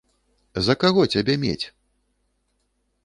За каго цябе мець?